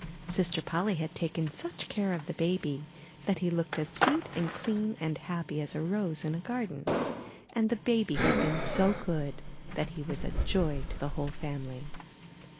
Sister Polly had taken such care of the baby that he looked as sweet and clean and happy as a rose in a garden; and the baby had been so good that he was a joy to the whole family.